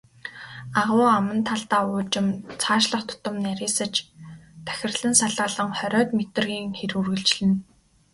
Агуй аман талдаа уужим, цаашлах тутам нарийсаж тахирлан салаалан, хориод метрийн хэр үргэлжилнэ.